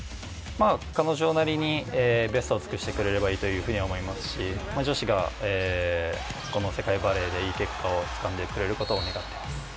彼女なりにベストを尽くしてくれればいいと思いますし、女子がこの世界バレーでいい結果をつかんでくれることを望んでいます。